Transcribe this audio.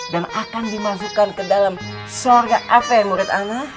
dan akan dimasukkan ke dalam sorga apa ya murid ana